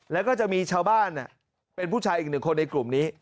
แล้วก็จะมีชาวบ้านเป็นผู้ชายอีกหนึ่งคนในกลุ่มนี้